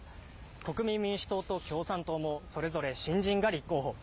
国民民主党と共産党もそれぞれ新人が立候補。